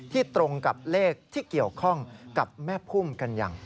ตรงกับเลขที่เกี่ยวข้องกับแม่พุ่มกันอย่าง